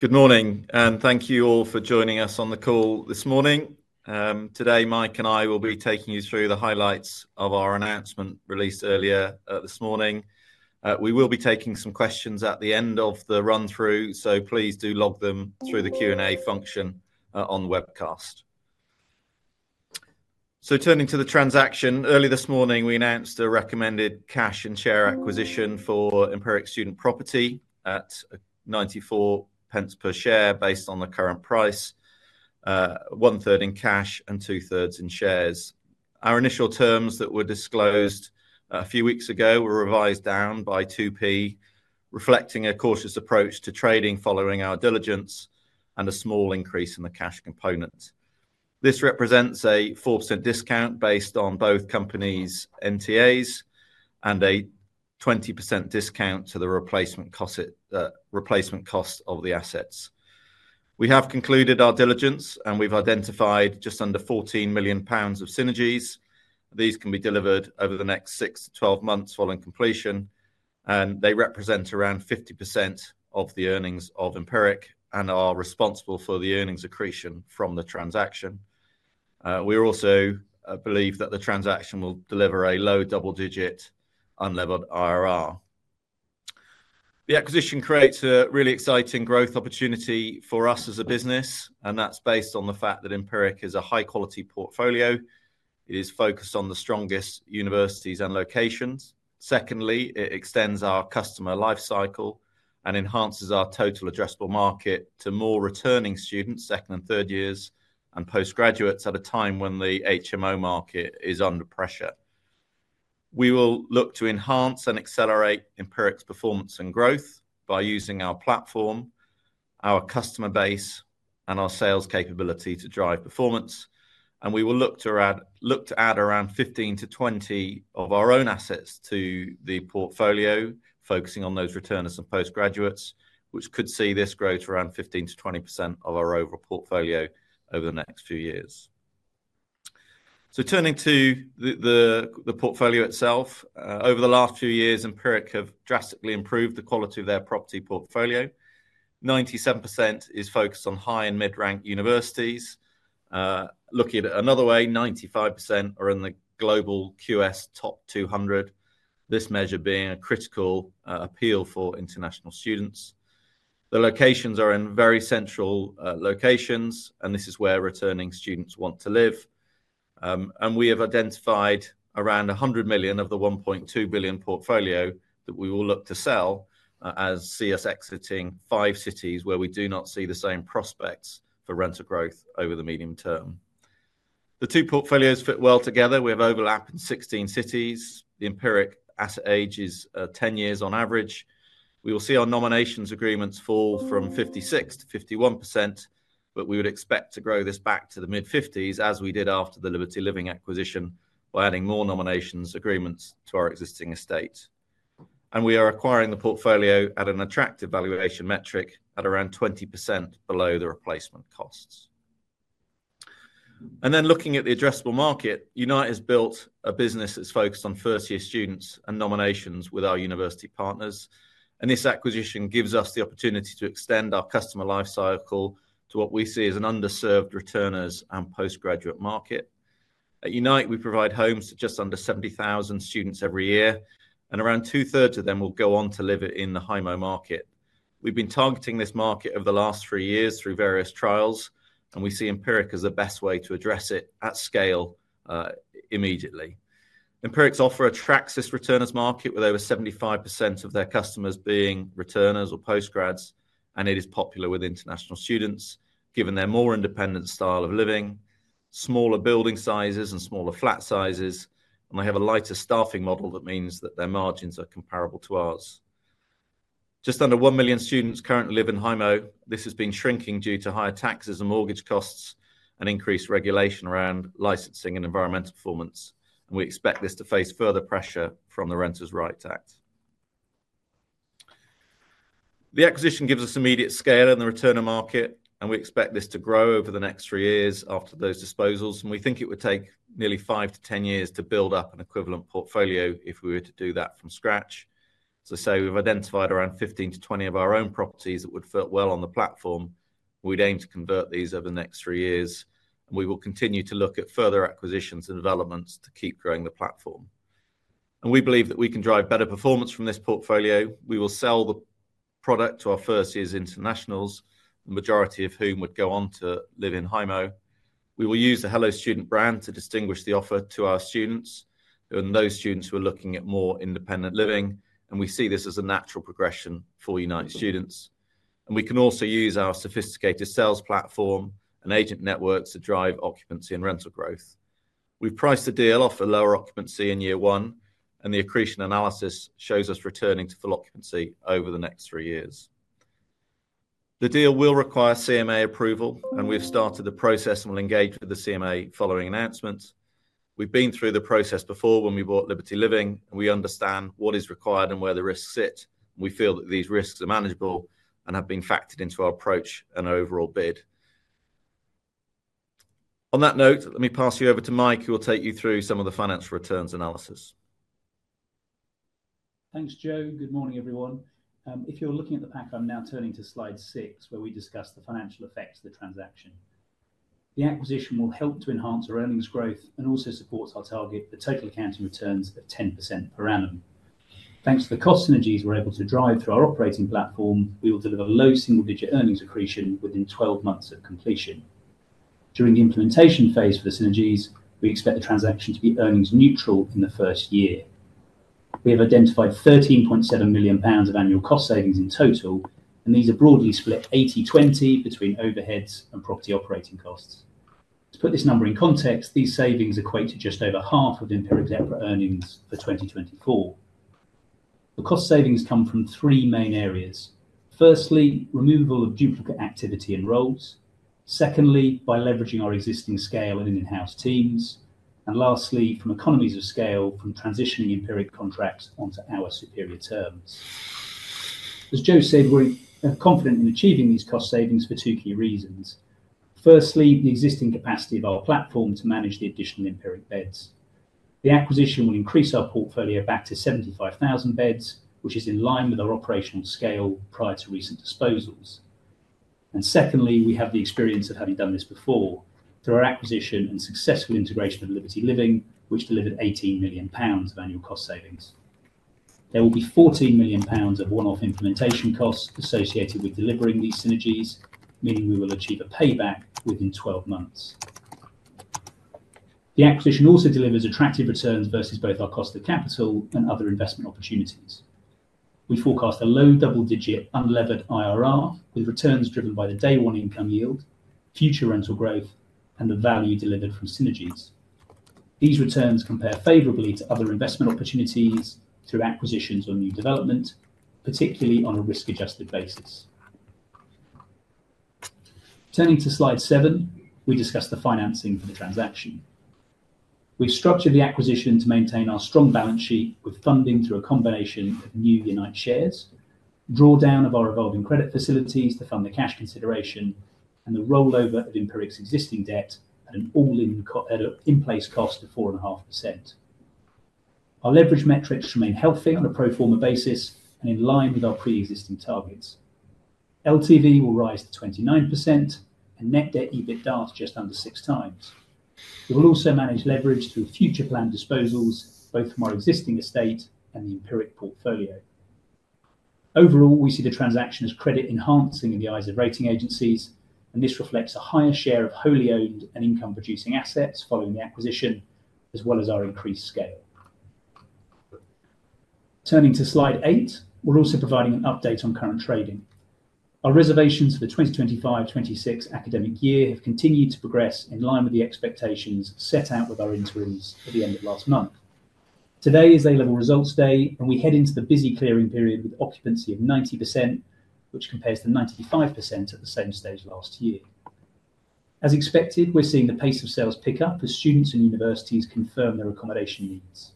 Good morning, and thank you all for joining us on the call this morning. Today, Mike and I will be taking you through the highlights of our announcement released earlier this morning. We will be taking some questions at the end of the run-through, so please do log them through the Q&A function on the webcast. Turning to the transaction, early this morning, we announced a recommended cash and share acquisition for Empiric Student Property at 0.94 per share based on the current price, one-third in cash and two-thirds in shares. Our initial terms that were disclosed a few weeks ago were revised down by 0.02, reflecting a cautious approach to trading following our diligence and a small increase in the cash component. This represents a 4% discount based on both companies' NTAs and a 20% discount to the replacement cost of the assets. We have concluded our diligence, and we've identified just under 14 million pounds of annual synergies. These can be delivered over the next 6 to 12 months following completion, and they represent around 50% of the earnings of Empiric and are responsible for the earnings accretion from the transaction. We also believe that the transaction will deliver a low double-digit unlevered IRR. The acquisition creates a really exciting growth opportunity for us as a business, and that's based on the fact that Empiric is a high-quality portfolio. It is focused on the strongest universities and locations. It extends our customer lifecycle and enhances our total addressable market to more returning students, second and third years, and postgraduates at a time when the HMO market is under pressure. We will look to enhance and accelerate Empiric's performance and growth by using our platform, our customer base, and our sales capability to drive performance. We will look to add around 15-20 of our own assets to the portfolio, focusing on those returners and postgraduates, which could see this growth around 15%-20% of our overall portfolio over the next few years. Turning to the portfolio itself, over the last few years, Empiric has drastically improved the quality of their property portfolio. 97% is focused on high and mid-rank universities. Looking at it another way, 95% are in the Global QS Top 200, this measure being a critical appeal for international students. The locations are in very central locations, and this is where returning students want to live. We have identified around 100 million of the 1.2 billion portfolio that we will look to sell as us exiting five cities where we do not see the same prospects for rental growth over the medium term. The two portfolios fit well together. We have overlap in 16 cities. The Empiric asset age is 10 years on average. We will see our nominations agreements fall from 56% to 51%, but we would expect to grow this back to the mid-50% as we did after the Liberty Living acquisition by adding more nominations agreements to our existing estate. We are acquiring the portfolio at an attractive valuation metric at around 20% below the replacement costs. Looking at the addressable market, Unite has built a business that's focused on first-year students and nominations with our university partners. This acquisition gives us the opportunity to extend our customer lifecycle to what we see as an underserved returners and postgraduate market. At Unite, we provide homes to just under 70,000 students every year, and around two-thirds of them will go on to live in the high-moh market. We've been targeting this market over the last three years through various trials, and we see Empiric as the best way to address it at scale immediately. Empiric's offer attracts this returners market with over 75% of their customers being returners or postgraduates, and it is popular with international students given their more independent style of living, smaller building sizes, and smaller flat sizes. They have a lighter staffing model that means that their margins are comparable to ours. Just under 1 million students currently live in high-moh. This has been shrinking due to higher taxes and mortgage costs and increased regulation around licensing and environmental performance. We expect this to face further pressure from the Renters' Rights Act. The acquisition gives us immediate scale in the returner market, and we expect this to grow over the next three years after those disposals. We think it would take nearly 5 to 10 years to build up an equivalent portfolio if we were to do that from scratch. We've identified around 15-20 of our own properties that would fit well on the platform. We'd aim to convert these over the next three years. We will continue to look at further acquisitions and developments to keep growing the platform. We believe that we can drive better performance from this portfolio. We will sell the product to our first-year internationals, the majority of whom would go on to live in high moh. We will use the Hello Student brand to distinguish the offer to our students. Those students who are looking at more independent living, we see this as a natural progression for Unite students. We can also use our sophisticated sales platform and agent networks to drive occupancy and rental growth. We've priced the deal off a lower occupancy in year one, and the accretion analysis shows us returning to full occupancy over the next three years. The deal will require CMA approval, and we've started the process and will engage with the CMA following announcement. We've been through the process before when we bought Liberty Living, and we understand what is required and where the risks sit. We feel that these risks are manageable and have been factored into our approach and overall bid. On that note, let me pass you over to Mike, who will take you through some of the financial returns analysis. Thanks, Joe. Good morning, everyone. If you're looking at the pack, I'm now turning to slide six where we discuss the financial effects of the transaction. The acquisition will help to enhance our earnings growth and also support our target, the total accounting returns at 10% per annum. Thanks to the cost synergies we're able to drive through our operating platform, we will deliver low single-digit earnings accretion within 12 months of completion. During the implementation phase for the synergies, we expect the transaction to be earnings neutral in the first year. We have identified 13.7 million pounds of annual cost savings in total, and these are broadly split 80/20 between overheads and property operating costs. To put this number in context, these savings equate to just over half of Empiric's net earnings for 2024. The cost savings come from three main areas. Firstly, removal of duplicate activity and roles. Secondly, by leveraging our existing scale and in-house teams. Lastly, from economies of scale from transitioning Empiric contracts onto our superior terms. As Joe said, we're confident in achieving these cost savings for two key reasons. Firstly, the existing capacity of our platform to manage the additional Empiric beds. The acquisition will increase our portfolio back to 75,000 beds, which is in line with our operational scale prior to recent disposals. Secondly, we have the experience of having done this before through our acquisition and successful integration of Liberty Living, which delivered 18 million pounds of annual cost savings. There will be 14 million pounds of one-off implementation costs associated with delivering these synergies, meaning we will achieve a payback within 12 months. The acquisition also delivers attractive returns versus both our cost of capital and other investment opportunities. We forecast a low double-digit unlevered IRR with returns driven by the day-one income yield, future rental growth, and the value delivered from synergies. These returns compare favorably to other investment opportunities through acquisitions or new development, particularly on a risk-adjusted basis. Turning to slide seven, we discuss the financing for the transaction. We've structured the acquisition to maintain our strong balance sheet with funding through a combination of new Unite shares, drawdown of our revolving credit facilities to fund the cash consideration, and the rollover of Empiric's existing debt at an all-in-place cost of 4.5%. Our leverage metrics remain healthy on a pro forma basis and in line with our pre-existing targets. LTV will rise to 29% and net debt EBITDA just under six times. We will also manage leverage through future planned disposals, both from our existing estate and the Empiric portfolio. Overall, we see the transaction as credit-enhancing in the eyes of rating agencies, and this reflects a higher share of wholly owned and income-producing assets following the acquisition, as well as our increased scale. Turning to slide eight, we're also providing an update on current trading. Our reservations for the 2025-2026 academic year have continued to progress in line with the expectations set out with our interims at the end of last month. Today is A-level results day, and we head into the busy clearing period with occupancy of 90%, which compares to 95% at the same stage last year. As expected, we're seeing the pace of sales pick up as students and universities confirm their accommodation needs.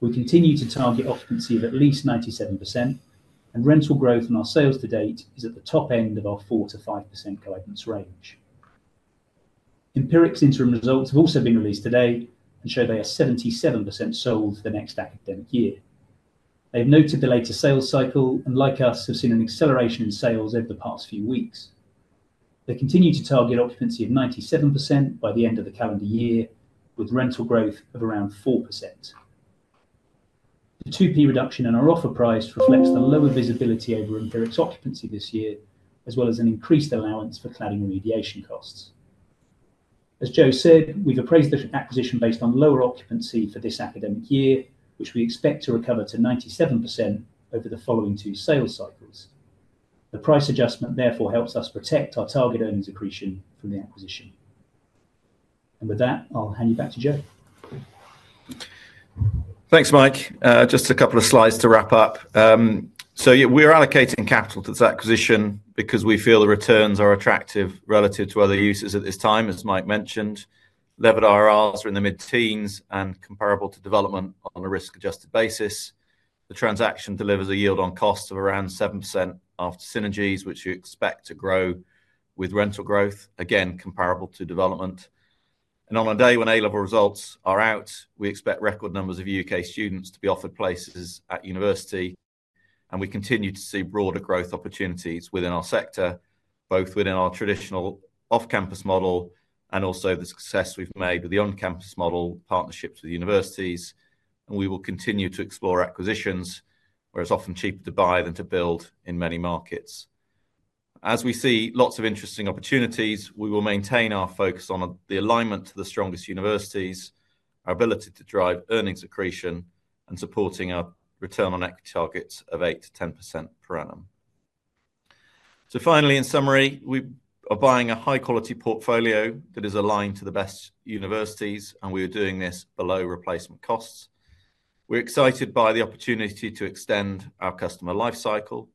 We continue to target occupancy of at least 97%, and rental growth in our sales to date is at the top end of our 4%-5% guidance range. Empiric's interim results have also been released today and show they are 77% sold for the next academic year. They've noted the latest sales cycle and, like us, have seen an acceleration in sales over the past few weeks. They continue to target occupancy of 97% by the end of the calendar year, with rental growth of around 4%. The 0.02 reduction in our offer price reflects the lower visibility over Empiric's occupancy this year, as well as an increased allowance for cladding remediation costs. As Joe said, we've appraised the acquisition based on lower occupancy for this academic year, which we expect to recover to 97% over the following two sales cycles. The price adjustment therefore helps us protect our target earnings accretion from the acquisition. With that, I'll hand you back to Joe. Thanks, Mike. Just a couple of slides to wrap up. We're allocating capital to this acquisition because we feel the returns are attractive relative to other uses at this time, as Mike mentioned. Levered IRRs are in the mid-teens and comparable to development on a risk-adjusted basis. The transaction delivers a yield on cost of around 7% after synergies, which you expect to grow with rental growth, again comparable to development. On a day when A-level results are out, we expect record numbers of U.K. students to be offered places at university. We continue to see broader growth opportunities within our sector, both within our traditional off-campus model and also the success we've made with the on-campus model partnerships with universities. We will continue to explore acquisitions, where it's often cheaper to buy than to build in many markets. As we see lots of interesting opportunities, we will maintain our focus on the alignment to the strongest universities, our ability to drive earnings accretion, and supporting a return on equity targets of 8%-10% per annum. Finally, in summary, we are buying a high-quality portfolio that is aligned to the best universities, and we are doing this below replacement costs. We're excited by the opportunity to extend our customer lifecycle.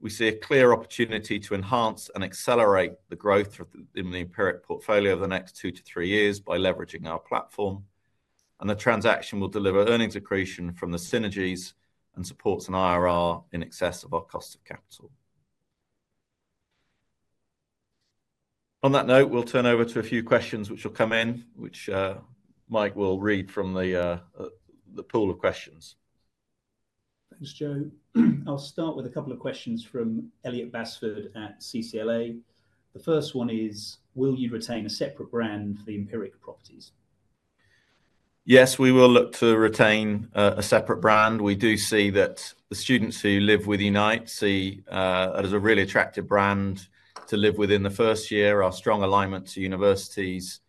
We see a clear opportunity to enhance and accelerate the growth in the Empiric portfolio over the next two to three years by leveraging our platform. The transaction will deliver earnings accretion from the synergies and supports an IRR in excess of our cost of capital. On that note, we'll turn over to a few questions which will come in, which Mike will read from the pool of questions. Thanks, Joe. I'll start with a couple of questions from Elliot Basford at CCLA. The first one is, will you retain a separate brand for the Empiric properties? Yes, we will look to retain a separate brand. We do see that the students who live with Unite see it as a really attractive brand to live within the first year. Our strong alignment to universities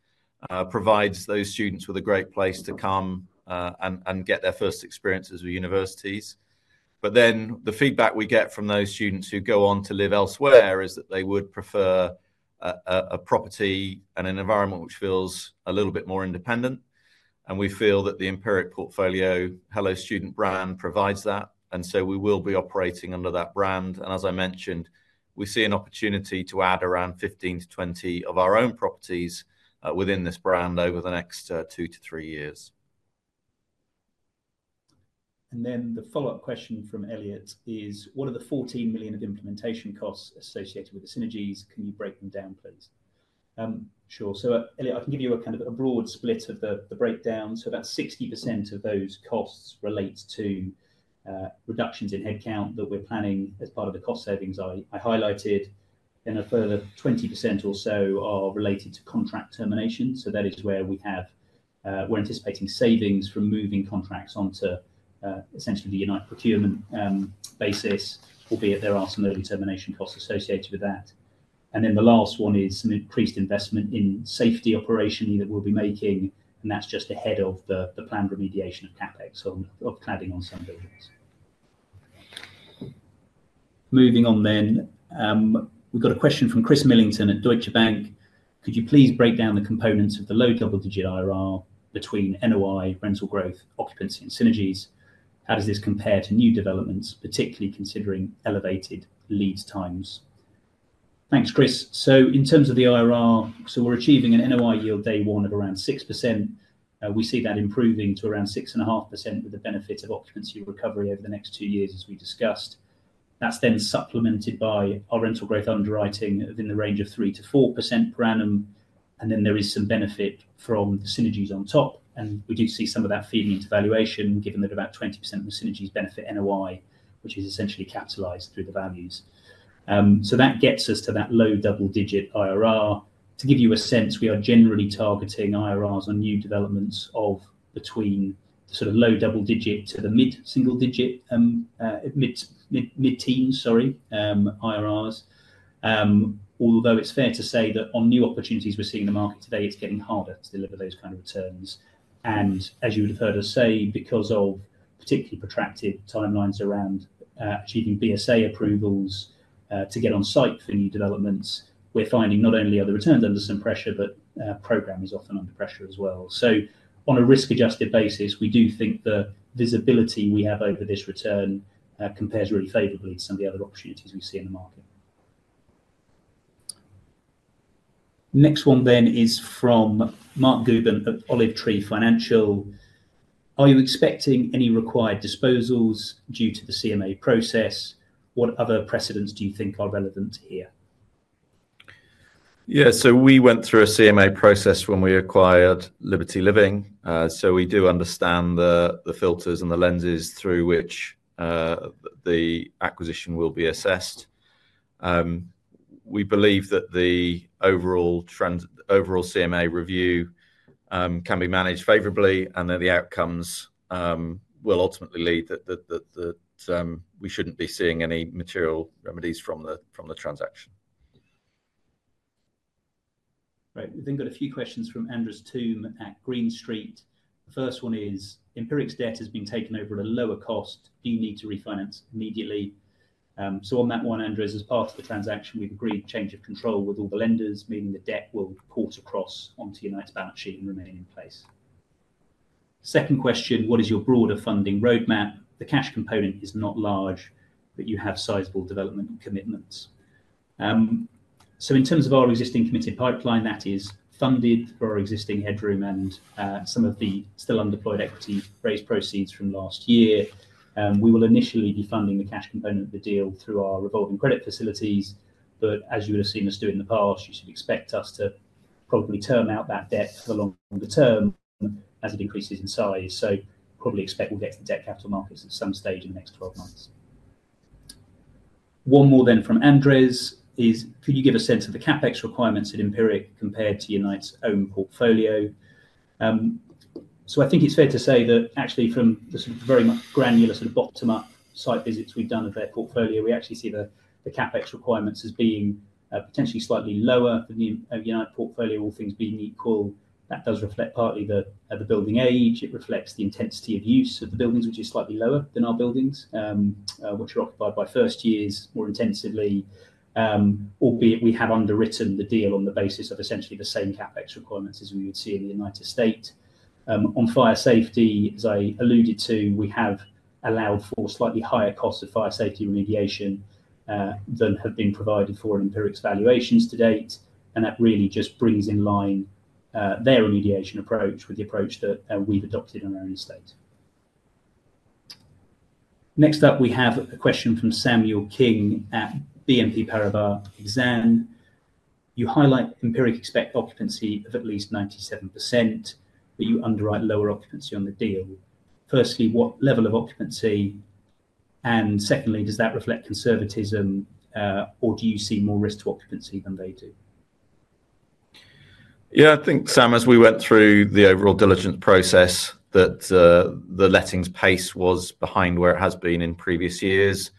provides those students with a great place to come and get their first experiences with universities. The feedback we get from those students who go on to live elsewhere is that they would prefer a property and an environment which feels a little bit more independent. We feel that the Empiric portfolio Hello Student brand provides that, and we will be operating under that brand. As I mentioned, we see an opportunity to add around 15-20 of our own properties within this brand over the next two to three years. The follow-up question from Elliot is, what are the 14 million of implementation costs associated with the synergies? Can you break them down, please? Sure. Elliot, I can give you a broad split of the breakdown. About 60% of those costs relate to reductions in headcount that we're planning as part of the cost savings I highlighted. A further 20% or so are related to contract termination. That is where we're anticipating savings from moving contracts onto essentially the Unite procurement basis, albeit there are some early termination costs associated with that. The last one is some increased investment in safety operation that we'll be making, and that's just ahead of the planned remediation of CapEx on cladding on some buildings. Moving on, we've got a question from Chris Millington at Deutsche Bank. Could you please break down the components of the low double-digit IRR between NOI, rental growth, occupancy, and synergies? How does this compare to new developments, particularly considering elevated lead times? Thanks, Chris. In terms of the IRR, we're achieving an NOI yield day one of around 6%. We see that improving to around 6.5% with the benefit of occupancy recovery over the next two years, as we discussed. That's then supplemented by our rental growth underwriting within the range of 3%-4% per annum, and then there is some benefit from the synergies on top. We do see some of that feeding into valuation, given that about 20% of the synergies benefit NOI, which is essentially capitalized through the values. That gets us to that low double-digit IRR. To give you a sense, we are generally targeting IRRs on new developments of between low double-digit to the mid-teens IRRs. Although it's fair to say that on new opportunities we're seeing in the market today, it's getting harder to deliver those kinds of returns. As you would have heard us say, because of particularly protracted timelines around achieving BSA approvals to get on site for new developments, we're finding not only are the returns under some pressure, but the program is often under pressure as well. On a risk-adjusted basis, we do think the visibility we have over this return compares really favorably to some of the other opportunities we see in the market. Next one is from Mark Guban at Olive Tree Financial. Are you expecting any required disposals due to the CMA process? What other precedents do you think are relevant here? Yeah, we went through a CMA process when we acquired Liberty Living. We do understand the filters and the lenses through which the acquisition will be assessed. We believe that the overall CMA review can be managed favorably, and the outcomes will ultimately lead that we shouldn't be seeing any material remedies from the transaction. Right. We then got a few questions from Anders Toom at Green Street. The first one is, Empiric's debt has been taken over at a lower cost. Do you need to refinance immediately? On that one, Anders, as part of the transaction, we've agreed to change of control with all the lenders, meaning the debt will port across onto Unite's balance sheet and remain in place. Second question, what is your broader funding roadmap? The cash component is not large, but you have sizable development commitments. In terms of our existing committed pipeline, that is funded from our existing headroom and some of the still undeployed equity raised proceeds from last year. We will initially be funding the cash component of the deal through our revolving credit facilities. As you would have seen us do in the past, you should expect us to probably term out that debt for the longer term as it increases in size. We probably expect we'll get to the debt capital markets at some stage in the next 12 months. One more then from Anders is, could you give a sense of the CapEx requirements at Empiric compared to Unite's own portfolio? I think it's fair to say that actually from the sort of very granular sort of bottom-up site visits we've done of their portfolio, we actually see the CapEx requirements as being potentially slightly lower than the Unite portfolio, all things being equal. That does reflect partly the building age. It reflects the intensity of use of the buildings, which is slightly lower than our buildings, which are occupied by first years more intensively. Albeit, we have underwritten the deal on the basis of essentially the same CapEx requirements as we would see in the United Kingdom. On fire safety, as I alluded to, we have allowed for slightly higher costs of fire safety remediation than have been provided for in Empiric's valuations to date. That really just brings in line their remediation approach with the approach that we've adopted on our estate. Next up, we have a question from Samuel King at BNP Paribas Exan. You highlight Empiric expect occupancy of at least 97%, but you underwrite lower occupancy on the deal. Firstly, what level of occupancy? Secondly, does that reflect conservatism, or do you see more risk to occupancy than they do? Yeah, I think, Sam, as we went through the overall diligence process, the lettings pace was behind where it has been in previous years,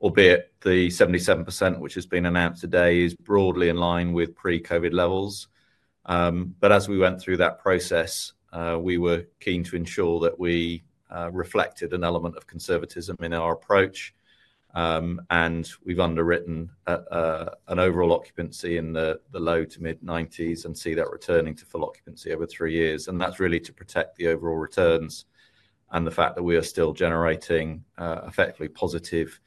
albeit the 77% which has been announced today is broadly in line with pre-COVID levels. As we went through that process, we were keen to ensure that we reflected an element of conservatism in our approach. We've underwritten an overall occupancy in the low to mid-90% and see that returning to full occupancy over three years. That's really to protect the overall returns and the fact that we are still generating effectively positive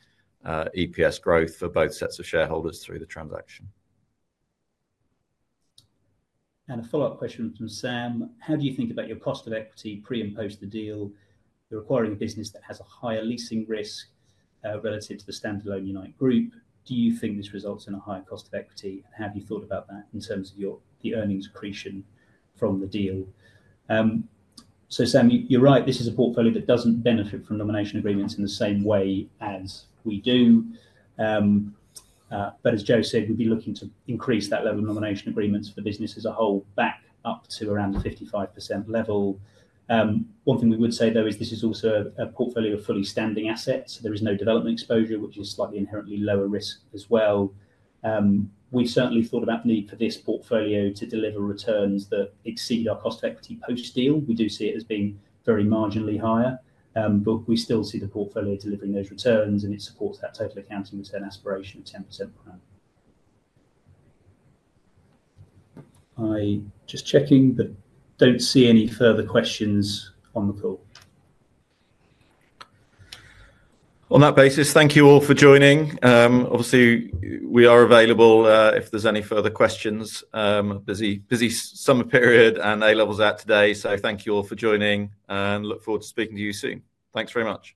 EPS growth for both sets of shareholders through the transaction. A follow-up question from Sam. How do you think about your cost of equity pre and post the deal? You're acquiring a business that has a higher leasing risk relative to the standalone Unite Group. Do you think this results in a higher cost of equity? How have you thought about that in terms of the earnings accretion from the deal? Sam, you're right. This is a portfolio that doesn't benefit from nomination agreements in the same way as we do. As Joe said, we'd be looking to increase that level of nomination agreements for business as a whole back up to around the 55% level. One thing we would say, though, is this is also a portfolio of fully standing assets. There is no development exposure, which is slightly inherently lower risk as well. We've certainly thought about the need for this portfolio to deliver returns that exceed our cost of equity post-deal. We do see it as being very marginally higher, but we still see the portfolio delivering those returns, and it supports that total accounting return aspiration of 10%. I'm just checking, but don't see any further questions on the call. On that basis, thank you all for joining. Obviously, we are available if there's any further questions. A busy summer period and A-levels out today. Thank you all for joining, and look forward to speaking to you soon. Thanks very much.